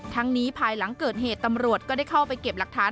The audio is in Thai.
ทั้งนี้ภายหลังเกิดเหตุตำรวจก็ได้เข้าไปเก็บหลักฐาน